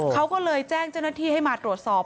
เขาก็เลยแจ้งเจ้าหน้าที่ให้มาตรวจสอบ